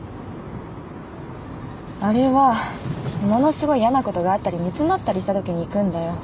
あれはものすごい嫌なことがあったり煮詰まったりしたときに行くんだよ